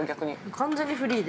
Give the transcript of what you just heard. ◆完全にフリーで。